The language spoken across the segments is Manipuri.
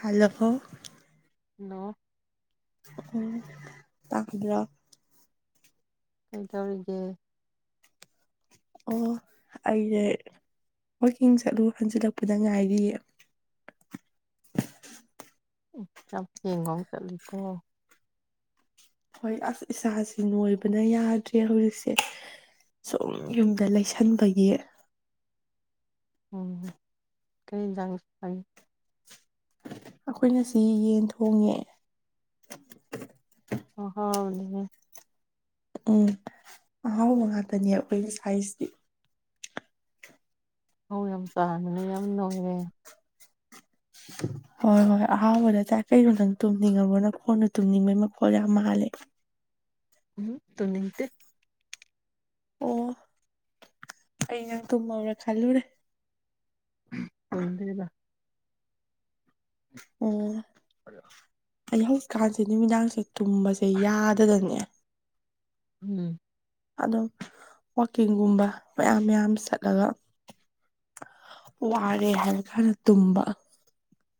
ꯍꯜꯂꯍꯣ ꯍꯜꯂꯣ ꯎꯝ ꯇꯈꯗ꯭ꯔ ꯀꯩ ꯇꯧꯔꯤꯒꯦ ꯑꯣ ꯑꯩꯌꯦꯦ ꯋꯥꯋꯥꯛꯀꯤꯡ ꯆꯠꯂꯨ ꯍꯟꯖꯤꯜꯂꯛꯄꯗ ꯉꯥꯏꯔꯤꯌꯦ ꯆ ꯊꯦꯡꯉꯣ ꯆꯠꯂꯤꯀꯣ ꯍꯣꯏ ꯑꯁ ꯏꯁꯥꯥꯁ ꯅꯣꯏꯕꯅ ꯌꯥꯗ꯭ꯔꯦ ꯍꯧꯖꯤꯛꯁꯦ ꯁꯨꯝ ꯌꯨꯝꯗ ꯂꯩꯁꯟꯕꯒꯤ ꯎꯝ ꯀꯔꯤꯖꯥꯡ ꯑꯩꯈꯣꯏꯅ ꯁꯤ ꯌꯦꯟ ꯊꯣꯡꯉꯦ ꯑ ꯍ ꯍꯅꯦꯅꯦ [unintelligible] ꯎꯝ ꯑꯍꯥꯎ ꯉꯥꯛꯇꯅꯦꯕ ꯑꯩꯈꯣꯏꯒꯤ ꯁꯥꯏꯖꯇꯤ ꯍꯥꯎꯌꯥꯝ ꯆꯥꯡꯅꯅꯦ ꯌꯥꯝ ꯅꯣꯏꯔꯦ [unintelligible] ꯍꯣꯏ ꯍꯣꯏ ꯑꯍꯥꯎꯕꯗ ꯆꯥꯏ ꯀꯩꯅꯣ ꯅꯪ ꯇꯨꯝꯅꯤꯡꯉꯕ꯭ꯔꯣ ꯅ ꯈꯣꯟꯠꯅ ꯇꯨꯝꯅꯤꯡꯕꯩ ꯃꯈꯣꯠꯂ ꯌꯥꯝ ꯃꯥꯜꯂꯦ ꯎꯝ ꯇꯨꯝꯅꯤꯡꯇꯦ ꯑꯣ ꯑꯩ ꯅꯪ ꯇꯨꯝꯃꯧꯔꯦ ꯈꯜꯂꯨꯔꯦ ꯑꯍꯨꯝ ꯇꯨꯝꯗꯤꯔꯤꯗ ꯎꯝ ꯑꯌꯥ ꯑꯩ ꯍꯧꯖꯤꯛꯀꯥꯟꯁꯦ ꯅꯨꯃꯤꯗꯥꯡꯁꯦ ꯇꯨꯝꯕꯁꯦ ꯌꯥꯗꯗꯅꯦ ꯎꯝ ꯑꯗꯣ ꯋꯥꯛꯀꯤꯡꯒꯨꯝꯕ ꯃꯌꯥꯝ ꯃꯌꯥꯝ ꯆꯠꯂꯒ ꯋꯥꯔꯦ ꯍꯔꯀꯥꯟꯗ ꯇꯨꯝꯕ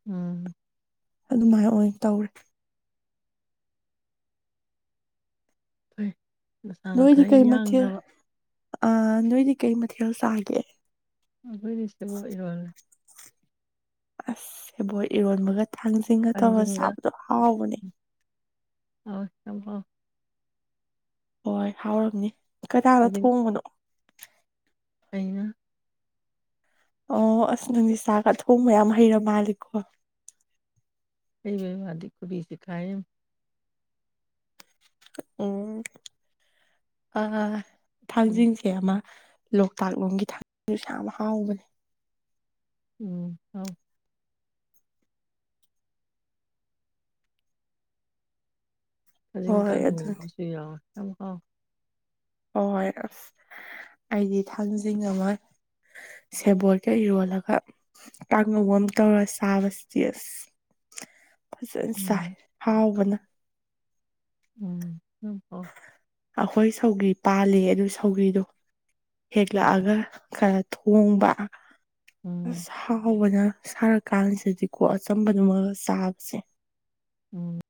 ꯎꯝ ꯑꯗꯨꯃꯥꯏꯅ ꯑꯣꯏꯅ ꯇꯧꯔꯦ ꯐꯩ ꯅꯁꯥꯒ ꯅꯣꯏꯗꯤ ꯈꯔ ꯀꯩ ꯃꯊꯦꯜ ꯌꯥꯡꯅꯕ ꯑ ꯅꯣꯏꯗꯤ ꯀꯩ ꯃꯊꯦꯜ ꯆꯒꯦ ꯑꯩꯈꯣꯏꯗ ꯁ‌ꯦꯕꫭꯠ ꯏꯔꫭꯟꯂ‌ꯦ ꯑꯁ ꯁꯦꯕꯣ ꯏꯔꯣꯟꯕꯒ ꯊꯥꯡꯖꯤꯡꯒ ꯇꯧꯔꯒ ꯊꯥꯡꯖꯤꯡꯒ ꯆꯥꯕꯗꯣ ꯍꯥꯎꯕꯅꯦ ꯍꯕ [unintelligible] ꯍꯣꯏ ꯍꯥꯎꯔꯝꯅꯤ ꯀꯅꯒ ꯈꯖꯤꯡ ꯊꯣꯡꯕꯅꯣ ꯑꯩꯅ ꯑꯣ ꯑꯁ ꯅꯪꯒ ꯆꯥꯒ ꯊꯣꯡ ꯃꯌꯥꯝ ꯍꯩꯔ ꯃꯥꯂꯦꯀꯣ ꯍꯩꯕꯥ ꯋꯗꯤ ꯈꯨꯨꯗꯤ ꯀꯥꯏꯔꯤꯃꯤ ꯎꯝ -ꯑ ꯎꯝ ꯊꯥꯡꯖꯤꯡꯁꯦ ꯑꯃ ꯂꯣꯛꯇꯥꯛ ꯂꯣꯝꯒꯤ ꯊꯥꯡ ꯁ ꯌꯥꯝ ꯍꯥꯎꯕꯅꯦ ꯎꯝ ꯍꯥꯎꯏ ꯀꯖꯤꯡ ꯍꯣꯏ ꯑꯗꯨꯅꯤ ꯀꯥꯡꯉꯨꯎꯑꯃꯁꯨ ꯌꯥꯎꯑ‌ꯦ ꯌꯥꯝ ꯍꯥꯎ ꯍꯣꯏ ꯑꯁ ꯑꯩꯗꯤ ꯊꯥꯡꯖꯤꯡ ꯑꯃ ꯁꯦꯕꯣꯇꯀ ꯏꯔꯣꯜꯂꯒ ꯇꯥꯡꯍꯧ ꯑꯃ ꯇꯧꯔ ꯆꯥꯕꯁꯤꯗ ꯑꯁ [inaudible] ꯐꯖꯅ ꯎꯝ ꯆꯥꯏ ꯍꯥꯎꯕꯅ ꯎꯝ ꯌꯥꯝ ꯍꯥꯎꯏ ꯑꯩꯈꯣꯏ ꯁꯧꯒꯤꯔꯤ ꯄꯥꯜꯂꯤ ꯑꯗꯨ ꯁꯧꯒꯤꯔꯤꯗꯥ ꯎꯝ ꯍꯦꯛꯂꯛꯑꯒ ꯈꯔ ꯊꯣꯡꯕ ꯎꯝ ꯑꯁ ꯍꯥꯎꯕꯅ ꯁꯥꯔꯀꯥꯟꯁꯤꯗꯗꯤꯀꯣ ꯑꯆꯝꯕꯗꯨꯃꯒ ꯆꯥꯕꯁꯦ ꯎꯝ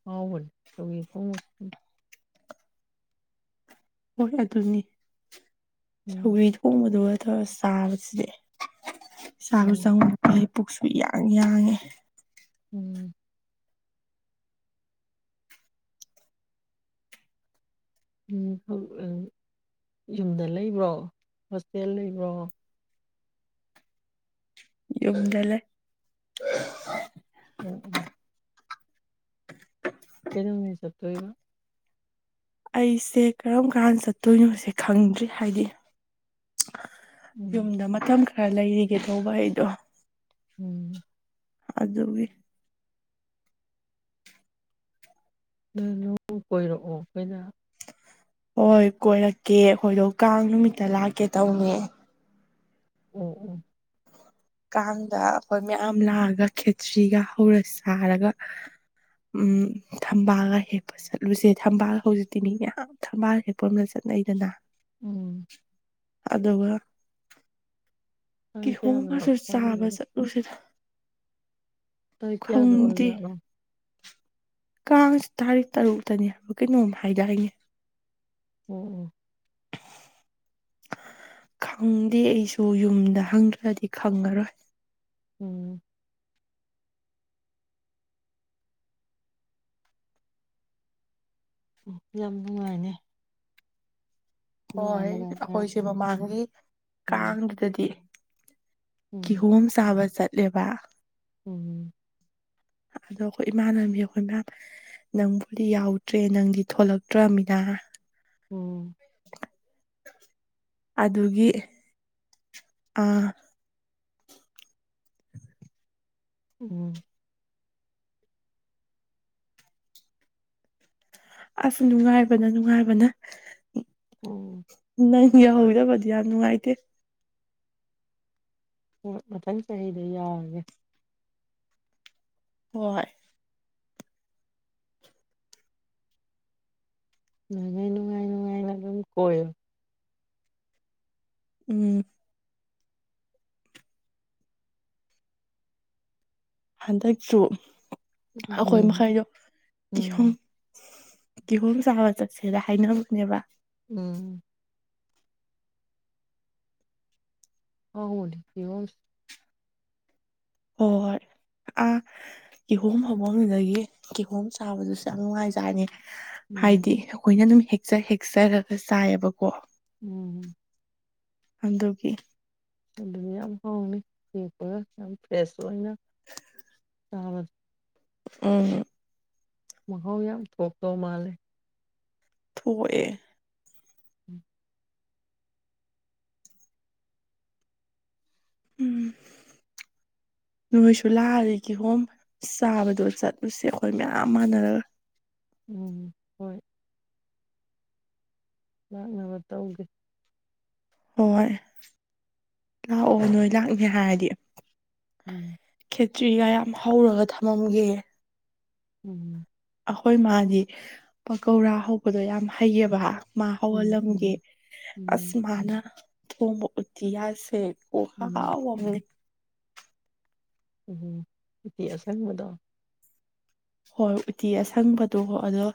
ꯊꯥꯎꯕꯅ‌ꯦ ꯁꯧꯒꯔꯤꯁꯨ ꯍꯣꯏ ꯑꯗꯨꯅꯤ ꯎꯝ ꯁꯧꯒꯔꯤ ꯊꯣꯡꯕꯗꯨꯒ ꯇꯧꯔ ꯆꯥꯕꯁꯤꯗꯤ ꯆꯥꯕꯁꯨ ꯎꯝ ꯆꯪꯉꯨ ꯐꯩ ꯄꯨꯛꯁꯨ ꯌꯥꯡ ꯌꯥꯡꯉꯦ ꯎꯝ ꯎꯝ ꯌꯨꯝꯗ ꯂꯩꯕ꯭ꯔꯣ ꯍꯣꯁꯇꯦꯜ ꯂꯩꯕ꯭ꯔꯣ ꯌꯗ ꯂꯩ ꯎꯝ ꯎꯝ ꯀꯩ ꯅꯨꯃꯤ ꯆꯠꯇꫭꯏꯕ ꯑꯩꯁꯦ ꯀꯔꯝ ꯀꯥꯟ ꯆꯠꯇꯣꯏꯅꯣꯁꯦ ꯈꯪꯗ꯭ꯔꯤ ꯍꯥꯏꯗꯤ ꯎꯝ ꯌꯨꯝꯗ ꯃꯇꯝ ꯈꯔ ꯂꯩꯔꯤꯒꯦ ꯇꯧꯕ ꯑꯩꯗꯣ ꯎꯝ ꯑꯗꯨꯒꯤ ꯑꯗꯨ ꯅꯣꯡ ꯀꯣꯏꯔꯛꯑꯣ ꯑꯩꯈꯣꯏꯗ ꯍꯣꯏ ꯀꯣꯏꯔꯛꯀꯦ ꯍꯣꯏꯗꯣꯛꯀ ꯅꯨꯃꯤꯠꯇ ꯂꯥꯛꯀꯦ ꯇꯧꯅꯤ ꯎꯝ ꯎꯝ ꯀꯥꯡꯗ ꯑꯩꯈꯣꯏ ꯃꯌꯥꯝ ꯂꯥꯛꯑꯒ ꯈꯦꯇ꯭ꯔꯤꯒ ꯍꯧꯔ ꯁꯥꯔꯒ ꯎꯝ ꯊꯝꯕꯥꯜꯒ ꯍꯦꯛꯄ ꯆꯠꯂꯨꯁꯦ ꯊꯝꯕꯥꯜꯒ ꯍꯧꯖꯤꯛꯇꯤꯅꯤ ꯌꯥꯝ ꯊꯝꯕꯥꯜꯒ ꯍꯦꯛꯄ ꯑꯃꯗ ꯆꯠꯂ ꯂꯩꯗꯅ ꯎꯝ ꯑꯗ ꯇꯥꯡ ꯀꯍꯣ ꯀꯌꯥꯗꯅꯣ ꯃꯥꯁꯨ ꯆꯥꯕ ꯇꯥꯡꯗꯨꯕꯨ ꯆꯗ ꯇ ꯀꯌꯥꯗ ꯑꯣꯏ ꯌꯥ ꯀꯥꯡꯁꯤ ꯇꯥꯔꯤꯛ ꯇꯔꯨꯛꯇꯅꯤ ꯑꯃꯨꯛ ꯀꯩꯅꯣꯃ ꯍꯥꯏꯗꯥꯏꯉ ꯎꯝ ꯎꯝ ꯈꯪꯗꯦ ꯑꯩꯁꯨ ꯌꯨꯝꯗ ꯍꯪꯗ꯭ꯔꯗꯤ ꯈꯪꯉꯔꯣꯏ ꯎꯝ ꯎ ꯌꯥꯝꯉꯅꯦ ꯍꯣꯏ ꯃꯌꯥꯝ ꯑꯩꯈꯣꯏꯁꯦ ꯃꯃꯥꯡꯒꯤ ꯎꯝ ꯀꯥꯡꯗꯨꯗꯗꯤ ꯀꯤꯍꯣꯝ ꯁꯥꯕ ꯆꯠꯂꯦꯕ ꯎꯝꯝ ꯑꯗꯣ ꯑꯩꯈꯣꯏ ꯏꯃꯥꯟꯅꯕꯕꯤ ꯑꯩꯈꯣꯏ ꯏꯃꯥ ꯅꯪꯕꯨꯗꯤ ꯌꯥꯎꯗ꯭ꯔꯦ ꯅꯪꯗꯤ ꯊꯂꯛꯇ꯭ꯔꯃꯤꯅ ꯎꯝ ꯑꯗꯨꯒꯤ ꯑꯥ ꯎꯝ ꯑꯁ ꯅꯨꯡꯉꯥꯏꯕꯅ ꯅꯨꯡꯉꯥꯏꯕꯅ ꯎꯝ ꯅꯪ ꯌꯧꯍꯧꯗꯕꯗꯤ ꯌꯥꯝ ꯅꯨꯡꯉꯥꯏꯇꯦ ꯃꯊꯪ ꯆꯍꯤꯗ ꯌꯥꯒꯦ ꯍꯣꯏ ꯉꯪ ꯉꯥꯏ ꯅꯨꯅꯨꯡꯉꯥꯏꯅꯅꯨꯡꯉꯥꯏꯅ ꯑꯗꯨꯝ ꯀ ꯎꯝ ꯍꯟꯗꯛꯁꯨ ꯑꯩꯈꯣꯏ ꯎꯝ ꯃꯈꯩꯗꯣ ꯀꯤꯍꯨꯝ ꯎꯝ ꯀꯦꯍꯣꯝ ꯆꯥꯕ ꯆꯠꯁꯦꯗ ꯍꯥꯏꯅꯕꯅꯦꯕ ꯎꯝ ꯑ ꯍ ꯍ ꯍꯣꯏ ꯍꯣꯏ [unintelligible] ꯀꯤꯍꯣꯝ ꯐꯐꯝꯗꯨꯗꯒꯤ ꯀꯤꯍꯣꯝ ꯆꯥꯕꯗꯨꯁꯨ ꯌꯥꯝ ꯅꯨꯡꯉꯥꯏꯖꯥꯅꯤ ꯎꯝ ꯍꯥꯏꯗꯤ ꯑꯩꯈꯣꯏꯅ ꯑꯗꯨꯝ ꯍꯦꯛꯆ ꯍꯦꯛꯆꯔꯒ ꯆꯥꯏꯑꯕꯀꯣ ꯎꯝ ꯑꯟꯗꯨꯒꯤ ꯑꯗꯨꯗꯤ ꯌꯥꯝ ꯍꯥꯎꯅꯤ ꯌꯦꯦꯛꯄꯒ ꯌꯥꯝ ꯐ꯭ꯔꯦꯁ ꯑꯣꯏꯅ ꯆꯥꯕ ꯎꯝ ꯃꯍꯥꯎ ꯌꯥꯝ ꯊꯣꯛ ꯇꯧ ꯃꯥꯜꯂꯦ ꯊꯣꯛꯑ ꯎꯝ ꯎꯝ [unintelligible] ꯅꯣꯏꯁꯨ ꯂꯥꯛ ꯀꯦꯍꯣꯝ ꯆꯥꯕꯗꯣ ꯆꯠꯂꯨꯁꯦ ꯑꯩꯈꯣꯏ ꯃꯌꯥꯝ ꯃꯥꯟꯅꯔꯒ ꯎꯝ ꯍꯣꯏ ꯂꯥꯛꯅꯕ ꯇꯧꯒꯦ ꯍꯣꯏ ꯂꯥꯛꯑꯣ ꯅꯣꯏ ꯂꯥꯛꯅꯤ ꯍꯥꯏꯔꯗꯤ ꯎꯝ ꯇ꯭ꯔꯤꯒ ꯌꯥꯝ ꯍꯧꯔꯒ ꯊꯝꯃꯝꯒꯦ ꯎꯝ ꯑꯩꯈꯣꯏ ꯃꯥꯗꯤ ꯄꯀꯧꯔꯥ ꯍꯧꯕꯗꯣ ꯌꯥꯝ ꯍꯩꯌꯦꯕ ꯎꯝ ꯃꯍꯥꯎꯜꯂꯝꯒꯤ ꯎꯝ ꯎꯝ ꯑꯁꯃꯅ ꯊꯣꯡꯕ ꯎꯇꯤꯌꯥꯁꯦ ꯑꯣ ꯎꯝ ꯍꯥꯥꯥꯎ ꯑꯃꯝꯃꯤ ꯎꯝꯝ ꯏꯇꯤ ꯑꯥꯁ ꯃꯗꯥ ꯍꯣꯏ ꯎꯇꯤ ꯑꯁꯪꯕꯗꯣ ꯑꯗꯣ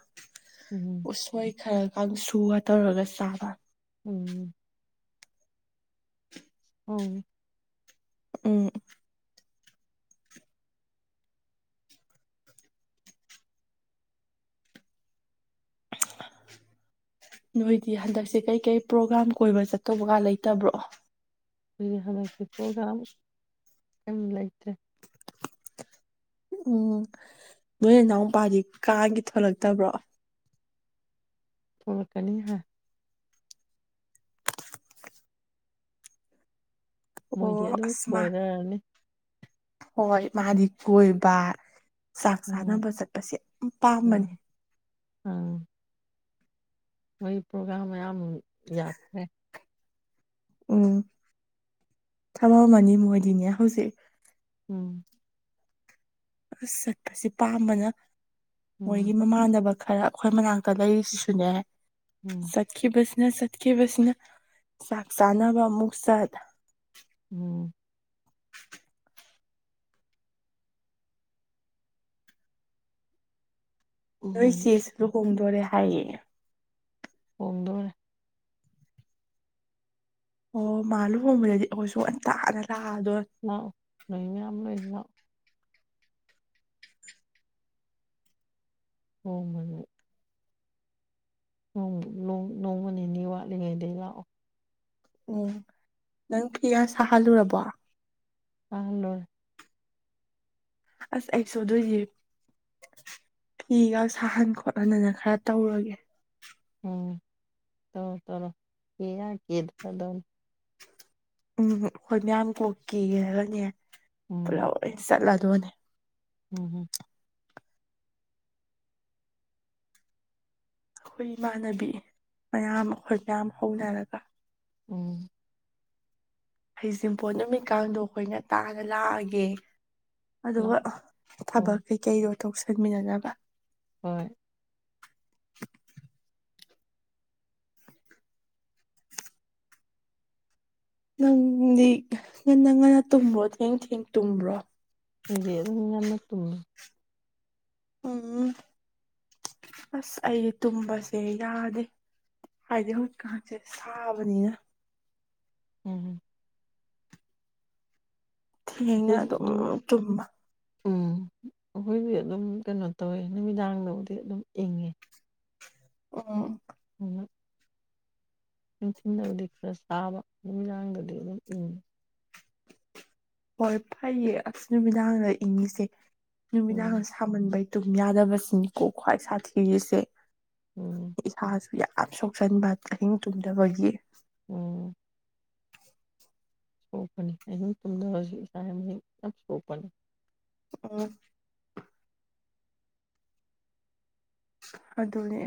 ꯎꯝ ꯎꯁꯣꯏ ꯈꯔ ꯁꯨꯕ ꯇꯧꯔꯒ ꯆꯥꯕ ꯎꯝ ꯑꯣ ꯎꯝ [inaudible] ꯅꯣꯏꯗꯤ ꯍꯟꯗꯛꯁꯦ ꯀꯩꯀꯩ ꯄ꯭ꯔꯣꯒ꯭ꯔꯥꯝ ꯀꯣꯏꯕ ꯆꯠꯇꯧꯕꯒ ꯂꯩꯇꯕ꯭ꯔꯣ ꯍꯏ ꯍꯟꯗꯛꯇꯤ ꯄ꯭ꯔꯣꯒꯥꯝ ꯀꯝ ꯂꯩꯇ꯭ꯔꯦ ꯎꯝ ꯅꯣꯏ ꯏꯟꯅꯥꯎꯄꯥꯗꯤ ꯀꯥꯒꯤ ꯊꯣꯛꯂꯛꯇꯕ꯭ꯔꯣ ꯐꯣꯔꯀꯅꯤ ꯍꯥꯏ ꯑꯣ ꯃꯣꯏꯗꯤ ꯑꯗꯨꯝ ꯑꯁ ꯃꯥ ꯀꯣꯏꯔꯔꯅꯤ ꯍꯣꯏ ꯃꯥꯗꯤ ꯀꯣꯏꯕ ꯆꯥꯛ ꯎꯝ ꯆꯥꯅꯕ ꯆꯠꯄꯁꯦ ꯌꯥꯝ ꯄꯥꯝꯕꯅꯤ ꯎꯝ ꯑꯥ ꯋꯥ ꯄ꯭ꯔꯣꯒ꯭ꯔꯝ ꯌꯥꯝ ꯌꯥꯗꯦ ꯎꯝ ꯊꯕ ꯃꯅꯤ ꯃꯣꯏꯗꯤꯅꯦ ꯍꯧꯖꯤꯛ ꯎꯝ ꯑꯁ ꯆꯠꯄꯁꯦ ꯄꯥꯝꯕꯅ ꯎꯝ ꯃꯣꯏꯒꯤ ꯃꯃꯥꯟꯅꯕ ꯈꯔ ꯑꯩꯈꯣꯏ ꯃꯅꯥꯛꯇ ꯂꯩꯔꯤꯁꯤꯁꯨꯅꯦ ꯎꯝ ꯆꯠꯈꯤꯕ ꯅ ꯆꯠꯈꯤꯕꯁꯤꯅ ꯆꯥꯛ ꯆꯥꯅꯕ ꯑꯃꯨꯛ ꯆꯠ ꯎꯝ ꯅꯣꯏ ꯍꯣꯏ ꯆꯁ ꯂꯨꯍꯣꯡꯗꯣꯔꯦ ꯍꯥꯏꯌꯦ ꯍꯣꯡꯗꯣꯏꯔꯦ ꯑꯣ ꯃꯥ ꯂꯨꯍꯣꯡꯕꯗꯗꯤ ꯑꯩꯈꯣꯏꯁꯨ ꯑꯟꯇꯥꯗ ꯅ ꯂꯩ ꯍ ꯃꯅꯤ ꯅꯣꯡ ꯅꯣꯡꯃ ꯅꯤꯅꯤ ꯋꯥꯠꯂꯤꯉꯩꯗꯒꯤ ꯂꯥꯛꯑꯣ ꯎꯝ ꯅꯪ ꯐꯤꯌꯥ ꯁꯥꯍꯜꯂꯨꯔꯕꯣ ꯑꯍꯂꯣ ꯑꯁ ꯑꯩ ꯁꯣꯗꯣꯏꯁꯦ ꯐꯤꯒ ꯁꯥꯍꯟ ꯈꯣꯠꯍꯟꯗꯅ ꯈꯔ ꯇꯧꯔꯒꯦ ꯎꯝ ꯆ ꯀꯗꯗ ꯎꯝ ꯍꯣꯏ ꯃꯌꯥꯝ ꯀꯣꯛꯀꯤꯦꯔꯒꯅꯦ ꯄꯨꯂꯞ ꯎꯝ ꯂꯣꯏ ꯆꯠꯂꯗꯣꯏꯅꯦ ꯎꯝ ꯍꯝ ꯑꯩꯈꯣꯏ ꯏꯃꯥꯟꯅꯕꯤ ꯃꯌꯥꯝ ꯑꯩꯈꯣꯏ ꯃꯌꯥꯝ ꯍꯧꯅꯔꯒ ꯎꯝ ꯍꯩꯖꯤꯡꯄꯣꯠ ꯅꯨꯃꯤꯠꯀꯗꯣ ꯑꯩꯈꯣꯏꯅ ꯇꯥꯅ ꯂꯥꯛꯑꯒꯦ ꯑꯗꯨꯒ ꯂꯥꯛꯑꯣ ꯊꯕꯛ ꯎꯝ ꯀꯩꯀꯩꯗꯣ ꯇꯣꯛ ꯁꯟꯃꯤꯟꯅꯅꯕ ꯍꯣꯏ [inaudible] ꯅꯪꯗꯤ ꯉꯟꯅ ꯉꯟꯅ ꯇꯨꯝꯕ꯭ꯔꯣ ꯊꯦꯡ ꯊꯦꯡ ꯇꯨꯝꯕ꯭ꯔꯣ ꯑꯩꯦ ꯑꯗꯨ ꯉꯅ ꯇꯨꯅ ꯎꯝ ꯑꯁ ꯑꯩ ꯇꯨꯝꯕꯁꯦ ꯌꯥꯗꯦ ꯍꯥꯏꯗꯤ ꯍꯧꯖꯤꯛ [unintelligible] ꯁꯥꯕꯅꯤꯅ꯫ ꯎꯝ꯫ ꯊꯦꯡꯅ ꯑꯗꯨꯝ ꯇꯨꯝꯃ꯫ ꯎꯝ ꯑꯩꯈꯣꯏꯗꯤ ꯑꯗꯨꯝ ꯀꯩꯅꯣ ꯇꯧꯋꯦ ꯅꯨꯃꯤꯗꯥꯡꯗꯕꯨꯗꯤ ꯑꯗꯨꯝ ꯏꯪꯉꯦ꯫ ꯎꯝ꯫ ꯎꯝ꯫ ꯅꯤꯡꯊꯤꯟꯗꯕꯨꯗꯤ ꯈꯔ ꯁꯥꯕ ꯑꯗꯨꯝ ꯅꯨꯡꯗꯥꯡꯗꯗꯤ ꯑꯗꯨꯝ ꯏꯪꯏꯤ꯫ ꯍꯣꯏ ꯐꯩꯌꯦ ꯑꯁ ꯅꯨꯃꯤꯗꯥꯡꯗ ꯏꯪꯉꯤꯁꯦ ꯅꯨꯃꯤꯗꯥꯡ ꯎꯝ ꯁꯥꯃꯟꯕꯩ꯫ ꯇꯨꯝ ꯌꯥꯗꯕꯁꯤꯅꯤꯀꯣ ꯈ꯭ꯋꯥꯏ ꯁꯥꯊꯤꯔꯤꯁꯦ ꯎꯝ ꯏꯁꯥꯁꯨ꯫ ꯌꯝ ꯁꯣꯛꯆꯟꯕ ꯑꯍꯤꯡ ꯇꯨꯝꯗꯕꯒꯤ꯫ ꯎꯝ꯫ ꯁꯣꯄꯅꯤ ꯑꯍꯤꯡ ꯇꯨꯝꯗꯕꯒꯤ ꯏꯁꯥ ꯌꯥꯝ ꯁꯣꯛꯄꯅꯤ꯫ ꯑꯝ꯫ ꯑꯗꯨꯅꯦ꯫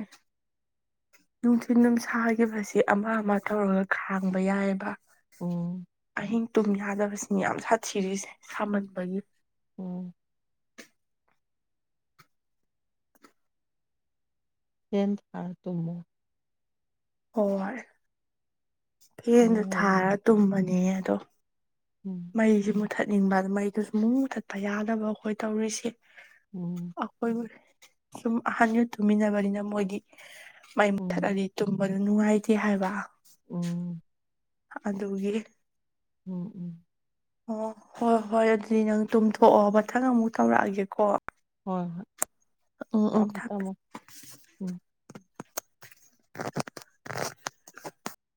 ꯅꯨꯡꯊꯤꯟ ꯅꯨꯡ ꯁꯥꯈꯤꯕꯁꯤ ꯑꯃ ꯑꯃ ꯇꯧꯔꯒ ꯈꯥꯡꯕ ꯌꯥꯏꯑꯦꯕ꯫ ꯎꯝ ꯑꯍꯤꯡ ꯇꯨꯝ ꯌꯥꯗꯕꯁꯤꯅꯤ ꯌꯥꯝ ꯁꯥꯊꯤꯔꯤꯁꯦ ꯁꯥꯃꯟꯕꯒꯤ꯫ ꯎꯝ ꯐꯦꯟ ꯊꯥꯔ ꯇꯨꯝꯃꯨ꯫ ꯍꯣꯏ ꯐꯦꯟꯗꯤ ꯊꯥꯔ ꯅꯨꯡꯉꯥꯏꯕꯅꯤ ꯇꯨꯝꯕꯅꯦ ꯑꯗꯣ꯫ ꯎꯝ ꯃꯩꯁꯦ ꯃꯨꯊꯠꯅꯤꯡꯕ ꯑꯗꯨ ꯃꯩꯗꯨꯁꯨ ꯑꯃꯨꯛ ꯃꯨꯊꯠꯄ ꯌꯥꯗꯕ ꯑꯩꯈꯣꯏ ꯇꯧꯔꯤꯁꯦ꯫ ꯎꯝ ꯑꯩꯈꯣꯏꯕꯨ ꯁꯨꯝ ꯑꯍꯟ ꯇꯨꯃꯤꯟꯅꯕꯅꯤꯅ ꯃꯣꯏꯗꯤ꯫ ꯃꯩ ꯎꯝ ꯃꯨꯊꯠꯂꯗꯤ ꯇꯨꯝꯕꯗꯨ ꯅꯨꯡꯉꯥꯏꯇꯦ ꯍꯥꯏꯕ꯫ ꯎꯝ ꯑꯗꯨꯒꯤ꯫ ꯎꯝ ꯎꯝ꯫ ꯑꯣ ꯍꯣꯏ ꯍꯣꯏ ꯑꯗꯨꯗꯤ ꯅꯪ ꯇꯨꯝꯊꯣꯛꯑꯣ ꯃꯊꯪ ꯑꯃꯨꯛ ꯇꯧꯔꯛꯑꯒꯦꯀꯣ꯫ ꯍꯣꯏ ꯍꯣꯏ ꯎꯪ ꯎꯪ ꯊꯝꯃꯣ ꯊꯝꯃꯦ꯫ ꯊꯝꯃꯣ ꯎꯝ [unintelligible]